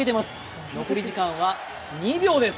残り時間は２秒です。